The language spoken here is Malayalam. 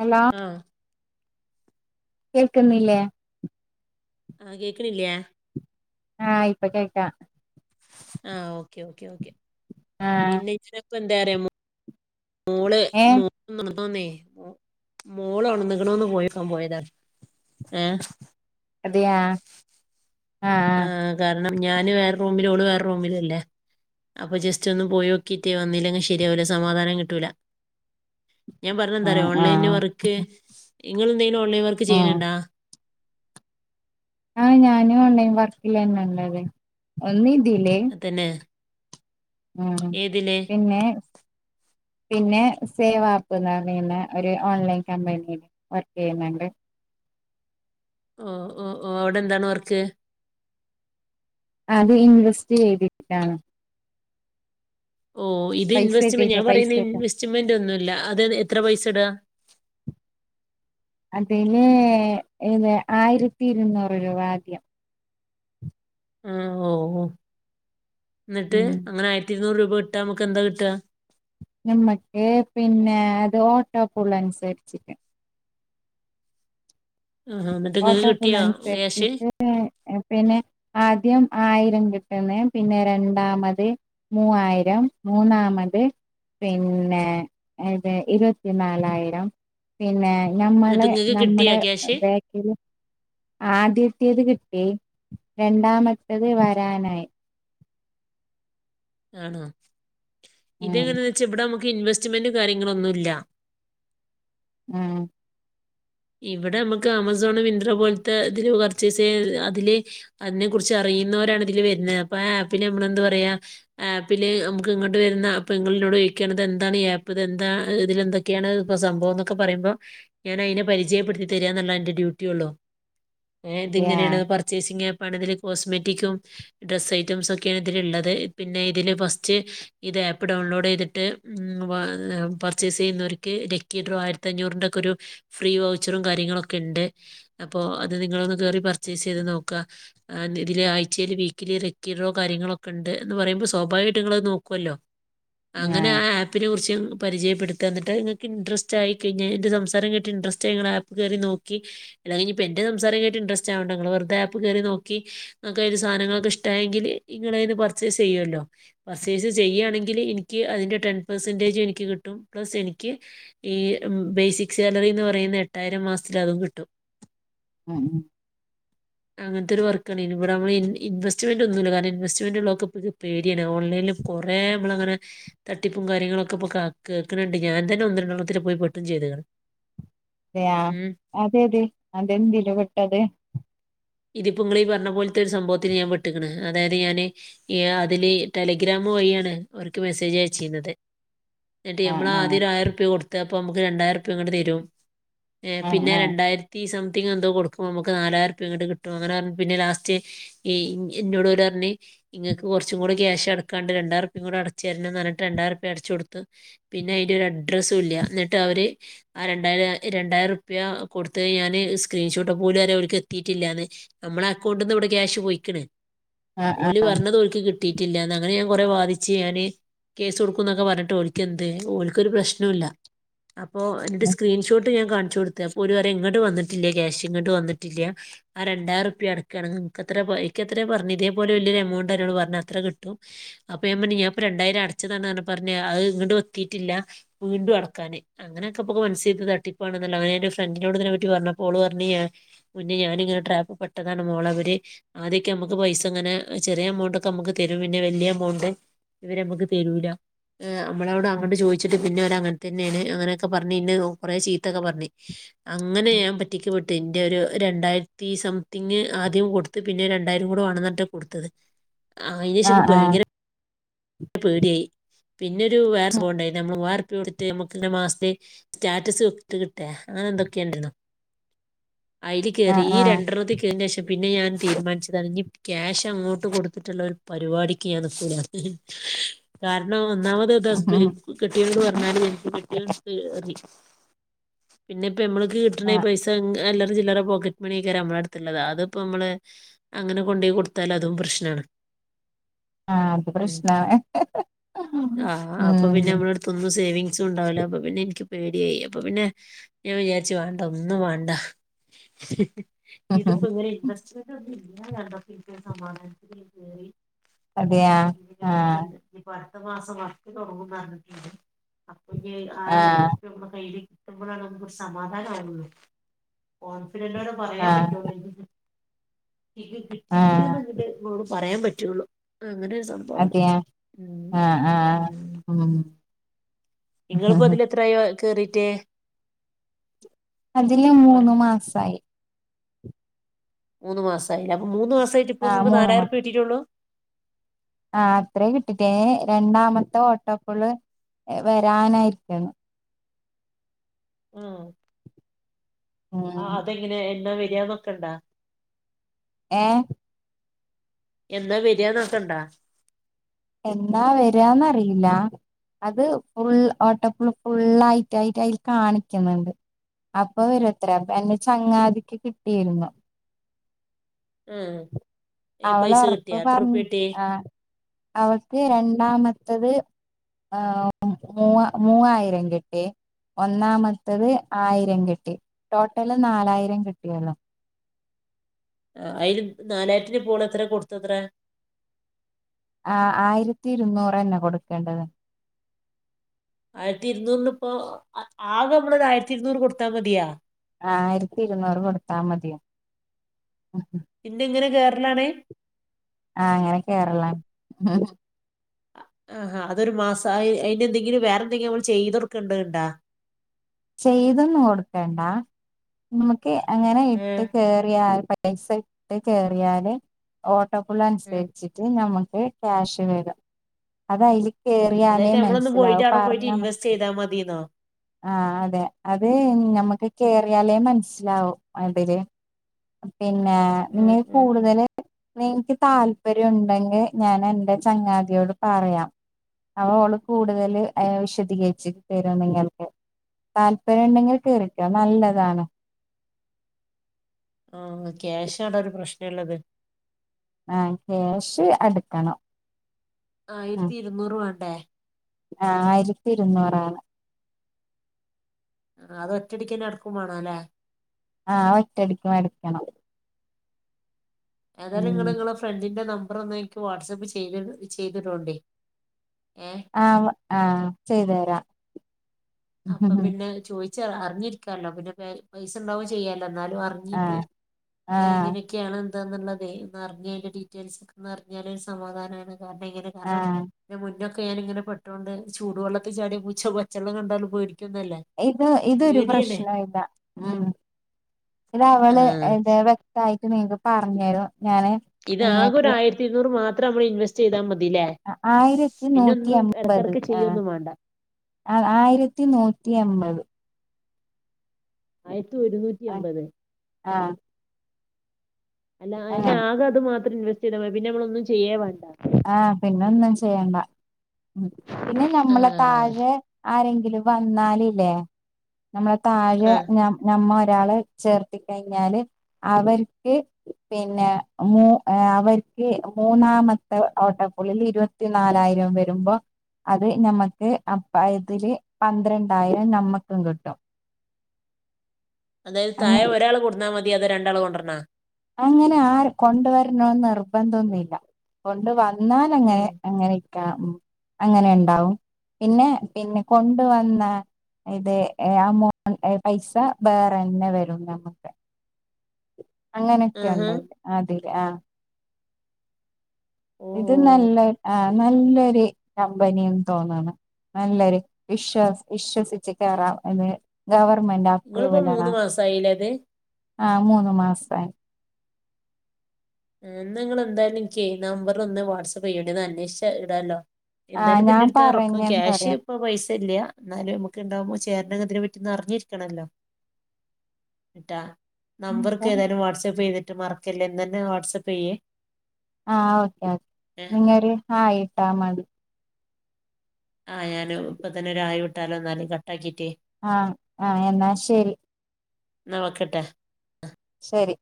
ഹലോ ആഹ കേൾക്കുന്നില്ലേ ആഹ കേക്കണില്ലയാ ആഹ് ഇപ്പൊ കേക്കാം ആഹ് ഓക്കെ ഓക്കെ ഓക്കെ ആഹ് പിന്നെ ഇ ന്തറിയമോ മോളെ ഏഹ് മോള ന്ന മോളോണോന്നോന്നു നോക്കാൻ പോയി പോയതാ ഏ അതെയാ ആഹ് ആ കാരണം ഞാൻ വേറെ വേറെ റൂമിലല്ലേ അപ്പൊ ജസ്റ്റ് ഒന്നും പോയിക്കിട്ട് വന്നില്ലെങ്ക ശരിയാവില്ല സമാധാനം കിട്ടൂല ഞാൻ പറഞ്ഞ എന്താറ ആഹ് ആഹ് ഓൺലൈന് വർക്ക് ഇങ്ങള് ഓൺലൈൻ വർക്ക് ഉം ചെയ്യണണ്ടാ ആഹ് ഞാനും ഓൺലൈൻ വർക്കില്ല തന്ന ഉള്ളത് ഒന്ന അതന്നെ ഉം പിന്നെ പിന്നെ സേവ് ആപ്പ് എന്ന് പറയുന്ന ഒരു ഓൺലൈൻ കമ്പനില് വർക്കെയ്യുന്നുണ്ട് ഓ ഓ ഓ അവിടെന്താണ് വർച്ച് അത് ഇൻവെസ്റ്റ് ചെയ്തിട്ടാണ് ഓ ഇത് പൈസ ഇൻവെസ്റ്റ്മെന്റ് ഇട്ടിട്ട് ഞാൻ പൈസ പറയുന്ന ഇട്ട് ഇൻവെസ്റ്റ്മെന്റ് ഒന്നുമല്ല അത് എത്ര പൈസയിടാ അതില് ഏത് ആയിരത്തി ഇരുന്നൂറ് രൂപ ആദ്യം ആ ഓ ഓ ന്നിട്ട് ഉം അങ്ങന ആയിരത്തി ഇരുന്നൂറ് രൂപ മ്പുട്ട നമുക്ക് എന്താ കിട്ടാ നമ്മക്ക് പിന്നെ അത് ഓട്ടോ പോള നുസരിച്ചിട്ട് ആഹാ എന്നിട്ട് ഇങ്ങക്ക് ഓട്ടോ പുൾ കിട്ടിയാ ക്യാഷ് അനുസരിച്ചിട്ട് പിന്നെ ആദ്യം ആയിരം കിട്ടുന്നേ പിന്നെ രണ്ടാമത് മൂവായിരം മൂന്നാമത് പിന്നെ ഇത് ഇരുപത്തി നാലായിരം പിന്നെ എന്നിട്ട് ഞമ്മളെ ഇങ്ങക്ക് കിട്ടിയാ നമ്മുടെ ക്യാഷ് [unintelligible] [unintelligible] ആദ്യത്തേത് കിട്ടി രണ്ടാമത്തത് വരാനായി ആണോ ഉം ഇതെങ്ങനവെച്ചാ ഇവിട നമക്ക് ഇൻവെസ്റ്റ്മെന്റ് കാര്യങ്ങളൊന്നുല്ല ഉം ഇവിടെ നമക്ക് ആമസോൺ മിൻഡ്ര പോലത്തെ ഇതില് പർച്ചേസ് അതില് അതിനെ കുറിച്ച് അറിയുന്നവരാണ് ഇതില് വരുന്നേ അപ്പൊ ആ ആപ്പില് നമ്മള് എന്താ പറയാ ആപ്പില് നമുക്ക് ഇങ്ങോട്ട് വരുന്ന അപ്പ് നിങ്ങളെന്നോട് ചോയിക്കേണ് ഇതെന്താണ് ഈ ആപ്പ് ഇത് എന്താ ഇതില് എന്തൊക്കെയാണ് പ്പ സംഭവോന്നൊക്ക പറയുമ്പോ ഞാൻ അയില് പരിചയപ്പെടുത്തിതര്യാന്നള്ള എന്റെ ഡ്യൂട്ടി ഉള്ളു ഏ അതെയാ ദിങ്ങനേണ് പർച്ചേസിംഗ് പടിതില് കോസ്മെറ്റിക്കും ഡ്രസ്സ് ഐറ്റംസൊക്കെ അതിൽള്ളത് പിന്നെ ഇതിൽ ഫസ്റ്റ് ഇത് ആപ്പ് ഡൗൺലോഡ് ചെയ്തിട്ട് പർച്ചേസെയ്യുന്നവർക്ക് ലക്കിഡ്രോ ആയിരത്തി അഞ്ഞൂറിന്റൊ ക്കൊരു ഫ്രീ വൗച്ചറും കാര്യങ്ങളൊക്ക ഉണ്ട് അപ്പൊ അത് നിങ്ങളൊന്ന് കേറി പർച്ചേസ് ചെയ്ത് നോക്കാ ഇതില് ആയ്ച്ചേല് വീക്കില് റെക്കി ഡ്രോ കാര്യങ്ങളൊക്ക ഇണ്ട് എന്ന് പറയുമ്പോ സ്വാഭാവിട്ട് നിങ്ങത് നോക്കുവല്ലോ അങ്ങനെ ആഹ് ആ ആപ്പിനെ കുറിച്ച് പരിചയപ്പെടുത്ത എന്നിട്ട് ങ്ങൾക്ക് ഇൻട്രസ്റ്റ് ആയി കഴിഞ്ഞാൽ ഡിസംസറ് റ്റിന്റെരെസ്റ്റ്‌ ഇങ്ങനാ കേറിനോക്കി എല്ലാം കഴിഞ്ഞ് ഇപ്പന്റെ സംസാരം കേട്ടിട്ട് ഇന്റെരെസ്റ്റാവണ്ട ഇങ്ങള് വെറുതെ ആപ്പ് കേറി നോക്കി അക്കാര് സാധനങ്ങളൊക്കെ ഇഷ്ടായെങ്കില് ഇങ്ങളന്നെ പർച്ചേസ് ചെയ്യുമല്ലോ പർച്ചേസ് ചെയ്യാണെങ്കില് എനിക്ക് അതിന്റെ ടെൻ പെർസെൻടേജ് എനിക്ക് കിട്ടും പ്ലസ് എനിക്ക് ഈ ബേസിക്സ് ന്നറിന്ന് പറയുന്നേ എട്ടായിരം മാസത്തിലതും കിട്ടും ഉം ഉം അങ്ങനത്തൊരു വർക്കാണ് ഇനി ഇവിടെ നമ്മൾ ഇൻവെസ്റ്റ്മെന്റ് ഒന്നുല്ല കാരണം ഇൻവെസ്റ്റ്മെന്റ് ഉള്ളതൊക്കെ പേടിയാണ് ഓൺലൈനിലും കുറെ നമ്മളങ്ങനെ തട്ടിപ്പും കാര്യങ്ങളൊക്ക ഇപ്പ കേക്കണിണ്ട് ഞാൻ തന്ന ഒന്നുരണ്ടെണ്ണത്തിന് പോയി പെട്ടും ചെയ്ത് അതെയാ അതെ അതെ അതെന്തിലും വിട്ടത് ഇതിപ്പങ്ങള് പറഞ്ഞപോലത്തൊരു സംഭവത്തിന് ഞാൻ പെട്ടിക്കണ് അതായത് ഞാന് അതില് ടെലിഗ്രാമു വഴിയാണ് അവർക്ക് മെസ്സേജ് അയച്ചിരുന്നത് എട്ടിമ്മള ആഹ് ആഹ് ആദ്യോരു ആയിരുപ്യാ കൊടുത്ത അപ്പ നമുക്ക് രണ്ടായിരുപ്യാ ഇങ്ങട്ട് തരും ഏ ആഹ് പിന്നെ രണ്ടായിരത്തി സം ത്തിങ്ങന്തോകൊടുക്കുമ്പം നമക്ക് നാലാരുപ്യാ ഇങ്ങട്ട് കി കിട്ടും അങ്ങനെ പറഞ്ഞ് പിന്നെ ലാസ്റ്റ് ഈ എന്നോടവര് പറഞ്ഞ് ഇങ്ങൾക്ക് കുറച്ചും കൂടി ക്യാഷ് അടക്കാണ്ട് രണ്ടായിരുപ്യയും കൂടെ അടച്ചു തരണം എന്നിട്ട് രണ്ടായിരുപ്യാ അടച്ചു കൊടുത്ത് പിന്നെ അയിൻ്റെ ഒരു അഡ്രസ്സും ഇല്ല എന്നിട്ട് അവര് ആ രണ്ടായിരം രണ്ടായിരുപ്യാ കൊടുത്തയിഞ്ഞാല് സ്ക്രീന്ഷോട്ട്പോലരു അവരിക്ക് എത്തിയിട്ടില്ലാന്ന് നമ്മളെ അക്കൗണ്ടിന്ന് ഇവിടെ ക്യാഷ് പോയിക്കണ് ആഹ് ആഹ് ഓല് ആഹ് പറഞ്ഞത് ഓല്ക് കി കിട്ടിയിട്ടില്ലന്ന് അങ്ങനെ ഞാൻ കൊറെ ബാധിച്ച് ഞാൻ കേസ് കൊടുക്കും എന്നൊക്കെ പറഞ്ഞിട്ട്ഓലിക്കന്ത്‌ എന്ത് ഒഓലിക്കൊരു പ്രശ്നുംല്ല അപ്പോ എന്റെ സ്ക്രീൻഷോട്ട് ഞാൻ കാണിച്ച് കൊടുത്ത് അപ്പൊ ഓല് പറയാ ഇങ്ങോട്ട് വന്നട്ടില്ല ക്യാഷ് ഇങ്ങോട്ട് വന്നിട്ടില്ല ആ രണ്ടായിരറുപഅടക്കുകയാണങ്ക ഇനക്ക് അത്ര എനിത്ര പറഞ്ഞത് ഇതേപല വലിയരു എമൗണ്ട്ണ്ടന്നോ പറഞ്ഞ അത്ര കിട്ടും അപ്പ ൻ പറ ഞാൻപ്പൊ രണ്ടായിരം അടച്ചതാണ് പറഞ്ഞ അത് ഇങ്ങട്ട് വത്തിയിട്ടില്ല വീണ്ടും അടക്കാന് അങ്ങനെൊക്കെ പൊക്ക മനസ്സ്ത് തട്ടിപ്പാണെന്നല്ലോ അങ്ങനെ എ ഫ്രണ്ടിനോട്പറ്റി പറഞ്ഞ പോള് പറഞ്ഞേ ഞാനി ട്രാപ്പ് പെട്ടതാണ് മോള അവര് ആദ്യൊക്കെ നമുക്ക് പൈസ ഇങ്ങനെ ചെറിയ എമൗണ്ട് ഒക്കെ നമുക്ക് തരും പിന്നെ വലിയ എമൗണ്ട് ഇവര് നമ്മക്ക് തരൂല നമ്മളോട് അങ്ങോട്ട് ചോദിച്ചിട്ട് പിന്നെ അവര് അങ്ങട്ട് തന്നെയാണ് അങ്ങനെയൊക്കെ പറഞ്ഞഞ് ഇനെ കൊറെേ ചീത്തൊക്കെ പറഞ്ഞു അങ്ങനെ ഞാൻ പറ്റിക്ക പെട്ടു എന്റെ ഒരു രണ്ടായിര തീ സംത്തി ങ്ങ് ആദ്യം കൊടുത്ത് പിന്നെ രണ്ടായിരം കൂടെ വാണം ന്നറിഞ്ഞിട്ടാ കൊടുത്തത് ആ അയ് ന് ആഹ് ഷംഇൻ ആഹ് ആഹ് ഭയങ്കര പേടിയായ് പിന്നെരു വേറെ [unintelligible] ആഹ് മ്മള് മുവാ [unintelligible] മ്മ ക്ക് മാസ് ത്തെ സ്റ്റാറ്റസ് വെക്ക് കിട്ട അങ്ങനെ എന്തൊക്കെയുണ്ടല്ലോ അയ് ല് കേ റി ഈ ആഹ് രണ്ട്രണ്ണത്തി കേറീന്റെ ഷം പിന്നെ ഞാൻ തീരുമാനിച്ചതാണ് ഞ്ഞി ക്യാഷ് അങ്ങോട്ട് കൊടുത്തിട്ടുള്ള ഒരു പരിപാടിക്ക് ഞാൻ നിക്കൂലാ ന്ന് കാരണം ആഹ് [unintelligible] [unintelligible] പിന്നെ പ്പെ മ്മള് ക്ക് കി ട്ട്ണ ഈ ആഹ് പൈസ ഇങ അല്ലറ ചില്ലറ പോക്കറ്റ് മണി യ് ക്കാരം അ മ്മളെ അട് ത്തുള്ളത് അതിപ്പോ മ്മള് അങ്ങനെ കൊണ്ടോയി കൊടുത്താല് അതും പ്രശ്നാ ണ് ആ അത് പ്രശ്നാ ആഹ അപ്പൊ പിന്നെ അ ഉം മ്മളെ അടുത്തൊന്നും സേവിങ് സും ഉണ്ടാവൂല അപ്പൊ പിന്നെ എൻ ക്ക് പേടിയായ്. അപ്പൊ പിന്നെ ഞാൻ വിചാരിച്ചു വാ ണ്ടാ ഒന്നും വാ ണ്ടാ ഇത്പ്പം ഇങ്ങനെ [unintelligible] [unintelligible] അതെയാ ആ ഇപ്പോ അടുത്ത മാസം വർക്ക് തുടങ്ങുന്നർ ഞ്ഞി ട്ടു ണ്ട് ആഹ് [unintelligible] കിട്ടുമ്പോളാണ് നമുക്കൊരു സമാധാന ആവുള്ളൂ [unintelligible] പറയാൻ ആഹ് പറ്റോ ന്നോയിച്ചു [unintelligible] കിട്ടിക്ക് ണ് ആഹ് ന്ന് ങ്കുട്ടു [unintelligible] പറയാൻ പറ്റുള്ളു..... അങ്ങനെരു സംഭവമാണ്. ആഹ് ആഹ് ആഹ് ഉം. നിങ്ങളിപ്പോ അതിൽ എത്രയാ - കേറിട്ട് അതില് വർ മൂന്ന് മാസായി- മൂന്ന് മാസ ആയില്ല അ മൂന്ന് മാസ് ആഹ് [unintelligible] നാലായിരുർപ്യെ കിട്ടിട്ടൊള്ളു ആ അത്രേ കിട്ടിട്ടേ രണ്ടാമത്തെ ഓട്ടോപ്പള് വരാനായിരിക്കുന്നു ഉം ഉം ആഹ് അതെങ്ങനെ എന്നാ റ്റേന്നക്കണ്ടാ ഏഹ് എന്നാ വരാ ന്നൊക്കണ്ടാ എന്നാ വരാന്നറിയില്ല അത് ഫുൾ ഓട്ടപ്പുൾ ഫുള്ളായിട്ടായിട്ട് അയിൽ കാണിക്ണ്ണ്ട് അപ്പൊ വരത്ര എന്നെ ചങ്ങാതിക്ക് കിട്ടിരുന്നു. ആഹ് ഈ പൈസ അവളൊറപ്പ് കിട്ടിയാ എത്ര പർ റുപ്യ കിട്ടി ആഹ് അവക്ക് രണ്ടാമ ത്തത് ആഹ് മൂ മൂവായിരം കിട്ടി ഒന്നാമത്തത് ആയിരം കിട്ടി. ടോട്ടല് നാലായിരം കിട്ടിയൊള്ളു. അ അയിന് നാലായിര്ന് പോണത്ര കൊടുത്തത്ര? ആ ആയിരത്തി ഇരുന്നൂറന്നെ കൊടുക്കേണ്ടത്. ആയിരത്തി ഇരുന്നൂറിന് ഇപ്പൊ ആകെ നമ്മളൊരു ആയിരത്തി ഇരുന്നൂറ് കൊടുത്താ മതിയാ. ആയിരത്തി ഇരുന്നൂറ് കൊടുത്താ മതിയോ പിന്നെ ഇങ്ങനെ കേർ [unintelligible] ആഹ് അങ്ങനെ കേറല ആഹാ അതൊരു മാസ അ അയിനെന്തെങ്കിലും വേറെന്തെങ്കിലും നമ്മള് ചെയ്തൊടുക്കണ്ടണ്ടാ? ചെയ്തൊന്നും കൊടുക്കണ്ടാ നമ് ഏ അങ്ങനെ ഇട്ട് ഏഹ് കേറിയ അത് പറ്റ് പൈസ ട്ട് കയറിയാല് ഓ [unintelligible] ഏഹ് അനുസരിച്ചി്ട്ട് [unintelligible] ക്യാഷ് [unintelligible] അതായില അതായത് ഞമ്മളൊന്ന് പോയിട്ട് അവിടെ പോയിട്ട് ഇൻവെസ്റ്റ് മനസ്സിലാ ചെയ്താൽ മതിന്നോ ആഹ് അതെ അത് ഞമ്മുക്ക് കേറിയാലേ മനസ്സിലാവും അതില് പിന്നെ ഉം നിങ്ങൾ ഉം ഉം കൂടുതല് നിനിക്ക് താല്പര്യം ഉണ്ടെങ്കിൽ ഞാൻ എറെ ചങ്ങാതിയോട് പറയാം അവ അവഓള് കൂടുതല് വിശദീകരിച്ചി തരുന്നെങ്കൾക്ക് താല്പര്യം ഉണ്ടെങ്കിൽ കേറിക്കാം നല്ലതാണ് ആഹ് ക്യാഷ ആണ ഒരു പ്രശ്ന ഉള്ളത് ആഹ് കേഷ് അടുക്കണം ആയിര് ഉം ത്തി ഇരുന്നൂറു ആണ് ബെ ആയിരത്തി ഇരുന്നൂറാണ് അത് ഒറ്റടിക്കെ ന്നെ അടക്കും വാ ണ ല്ലേ? ആ ഒ റ്റടിക്ക് മ ട് ക്കണം ഏതാലും ഇ ങ്ങള് ഇ ങ്ങളെ ഫ്രണ്ടിന്റെ നമ്പ നമ്പ്ര ഒന്ന് എനിക്ക് വാട്സപ്പ് ചെയ് ചെയ്തിടോ ണ്ടേ ആവ് ആ ചെയ് തെ രാം [inaudible] അപ്പൊ പിന്നെ ചോയ് ച്ച ളാ അറിഞ്ഞിരിക്കാ ല്ലോ പിന്നെ പെ പൈസ ഉണ്ടാവുമ്പൊ ചെയ്യാലോ ന്നാലും അറിഞ്ഞി ട്ട് ആഹ് ആഹ് എങ്ങനെക്കെയാണ് ഇതാന്നുള്ളതെ ഇന്നറിഞ്ഞേല് ഡീറ്റെയില്സൊക്കെന്ന് അറിഞ്ഞാല് ഒരു സമാധാനാണ് പറ്ഞ്ഞേക്കേനി കാരണം ആഹ് ഇതിന് മുന്നൊ ക്കെ ഞാനിങ്ങനെ പെട്ടോണ്ട് ചൂടുവെള്ളത്തില് ചാടിയപൂച്ച പച്ചെള്ളം കണ്ടാലും ഒരി യിത് ഇതൊരു പ്രശ്നായില്ല ഉം ഇത് അവള് ആഹ് എന്തെ വ്യക്തായിട്ട് നീന്തും പറഞ്ഞേരൊ ഇതാക്കൊരു ആയിരത്തി ഇരുന്നൂറ് മാ ത്രമ്മള് ഇൻവെസ്റ്റെയ്താ മ ആ ആയിരത്തി നൂറ്റി എമ്പത് ഇടക്കിടക്ക് ആ ചെയ്യൊന്നും വേണ്ട ആ ആയിരത്തി നൂറ്റി എമ്പത് ആയി ത്തി ഒരുന്നൂറ്റി എമ്പത് ആഹ് അല്ല അയില് അങ്ങനെ ആക അത് മാത്രേ ഇൻവെസ് [unintelligible] പിന്നെ നമ്മളൊന്നും ചെയ്യേ വാണ്ട ആ പിന്നെന്ന് ചെയ്യണ്ട ഉം പിന്നെ നമ്മളെ ആഹ് താഴെ ആരെങ്കിലും വന്നാലില്ലേ നമ്മളെ താഴെ ആഹ് ഞാ ഞമ്മളെ ഒരാളെ ചേർത്തി കഴിഞ്ഞാല് അവർക്ക് പിന്നെ മൂ അവർക്ക് മൂന്നാമ ഏ ഓട്ടക്കുള്ളിൽ ഇരുപത്തിനാലായിരം വരുമ്പോ അത് നമ്മക്ക് അപ്പയതില് പന്ത്രണ്ടായിരം നമ്മക്കും കിട്ടും അതായത് തായെ അങ്ങനെ ഒരാള് കൊടുന്നാല് മ തിയൊ രണ്ടാള് കൊണ്ടര്ണോ ങ്ങനെ ആര് കൊണ്ടുവരണൊന്ന് നി നിർബന്ധന്നുല്ല കൊണ്ട് വ ന്നാലും അങ്ങനെ ഉം എങ്ങനേ ക്ക ഉം അങ്ങനെണ്ടാവും പിന്നെ പിന്നെ കൊണ്ടുവന്ന ഇത് അമൗണ്ട് പൈസ വേറെന്നെ വരും നമുക്ക് അങ്ങനെയൊക്കെയാണ് ആഹാ ഇണ്ടായത് അതെ ആഹ് ഇത് ഓഹോ നല്ല ആഹ് നല്ലൊരു കമ്പനിന്ന് തോന്നണ് നല്ലൊരു വിശ്വ വിശ്വസിച്ചു കയറാം എന്ന് ഗവർ നിങ്ങള്പ്പോ മൂന്ന് മാസായില്ലേത് ആഹ് മൂന്ന് മാസമായി ഉം ന്നാങ്ങള് എന്തായാലും ഇനിക്കെ നമ്പർ ഒന്ന് വാട്സപ്പ് ചെയ്യാണ്ടി ഒന്ന് അന്വേഷിച്ച് ഇടാല്ലോ ആഹ് ഞാൻ എന്തായാലുംപ്പന്റെടുത്ത് റൊക്കം പറഞ്ഞന്ന് ക്യാഷ് പറയും ഇപ്പ പൈ ട്ട് ല്ല എന്നാലും നമുക്ക് ഇണ്ടാവുമ്പോ ചേരന്റെങ്ങനത്തെ പറ്റിന്ന് അറിഞ്ഞിരിക്കണല്ലോ ട്ടൊ നമ്പറൊക്കെ ഏതായാലും വാട്സപ്പെയ്യൂലെ മറക്കല്ലേ ഇന്നെന്നെ വാട്സപ്പ് ചെയ്യേ ആഹ് ഓക്കെ ഓക്കെ ഏഹ് നിങ്ങൊരു ഹായ് ഇട്ടാമതി ആഹ് ഞാൻ ഇപ്പ തന്നെ ഒരു ഹായ് വിട്ടാലോ എന്നാലോ കട്ട് ആക്കിട്ടേ ആഹ് ആഹ് എന്നാ ശരി എന്നാ വെക്കട്ടെ ശരി